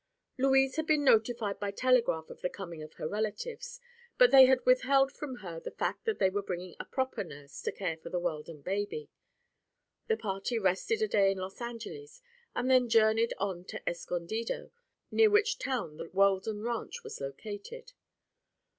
Louise had been notified by telegraph of the coming of her relatives, but they had withheld from her the fact that they were bringing a "proper" nurse to care for the Weldon baby. The party rested a day in Los Angeles and then journeyed on to Escondido, near which town the Weldon ranch was located.